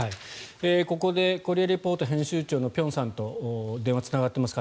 ここで「コリア・レポート」編集長の辺さんと電話がつながっています。